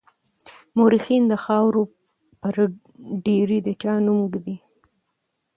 مورخين د خاورو پر ډېري د چا نوم ږدي.